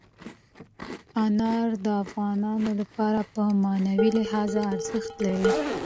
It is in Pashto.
انار د افغانانو لپاره په معنوي لحاظ ارزښت لري.